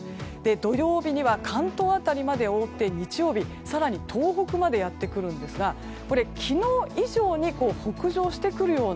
土曜日には関東辺りまで覆って日曜日、更に東北までやってくるんですがこれは昨日以上に北上してくるような